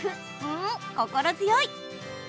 うん心強い。